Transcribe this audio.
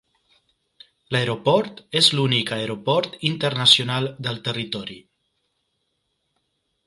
L'aeroport és l'únic aeroport internacional del territori.